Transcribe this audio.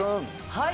はい！